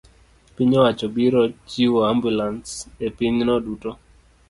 piny owacho biro chiwo ambulans e pinyno duto.